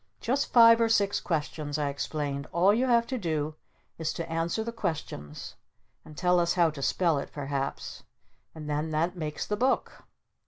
"Just five or six questions," I explained. "All you have to do is to answer the questions and tell us how to spell it perhaps. And then that makes the Book!"